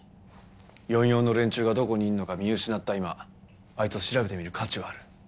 ４４の連中がどこにいるのか見失った今あいつを調べてみる価値はある。